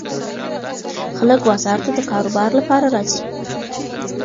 خلک بازار ته د کاروبار لپاره راځي.